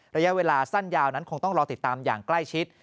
ระยะเวลาสั้นยาวนั้นคงต้องรอติดตามอย่างใกล้ชิด